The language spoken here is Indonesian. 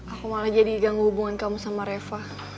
aku malah jadi ganggu hubungan kamu sama reva